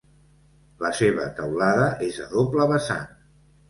La seva teulada és a doble vessant.